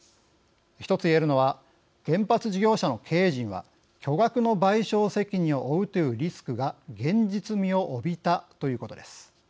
１つ言えるのは原発事業者の経営陣は巨額の賠償責任を負うというリスクが現実味を帯びたということです。